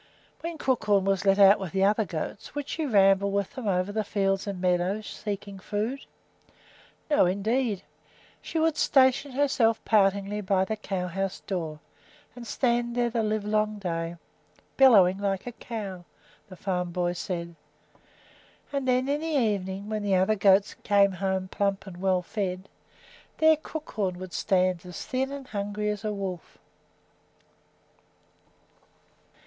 When Crookhorn was let out with the other goats, would she ramble with them over the fields and meadows, seeking food? No, indeed! She would station herself poutingly by the cow house door and stand there the livelong day, "bellowing like a cow" the farm boy said; and then in the evening, when the other goats came home plump and well fed, there Crookhorn would stand as thin and hungry as a wolf.